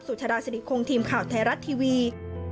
สุจราชนิดคงทีมข่าวไทยรัตน์ทีวี